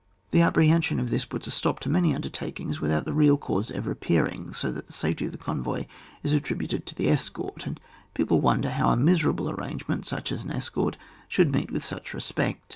The apprehension of this, puts a stop to many undertakings, with out the real cause ever appearing ; so that the safety of the convoy is attri buted to the escort, and people won der how a miserable arrangement, such as an escort, should meet with such respect.